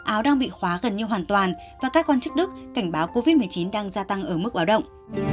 áo đang bị khóa gần như hoàn toàn và các quan chức đức cảnh báo covid một mươi chín đang gia tăng ở mức báo động